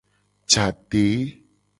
Je ade.